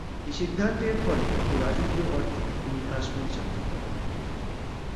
এই সিদ্ধান্তের ফলে ও রাজকীয় অর্থে তিনি কাশ্মীর যাত্রা করেন।